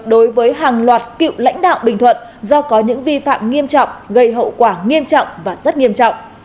đối với hàng loạt cựu lãnh đạo bình thuận do có những vi phạm nghiêm trọng gây hậu quả nghiêm trọng và rất nghiêm trọng